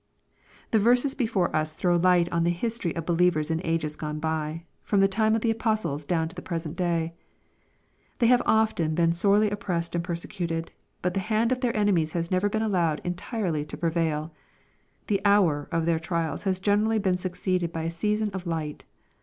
The verses before us throw light on the history of be lievers in ages gone by, from the time of the apostles down to the present day. They have often been sorely oppressed and persecuted, but the hand of their. enemies has never been allowed entirely to prevail. The " hour" of their trials has generally been succeeded by a season of light.